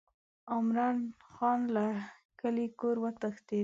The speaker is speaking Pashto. عمرا خان له کلي کوره وتښتېد.